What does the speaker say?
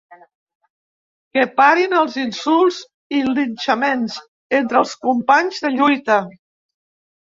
Que parin els insults i linxaments entre els companys de lluita.